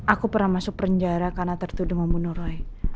aku pernah masuk penjara karena tertuduh membunuh roy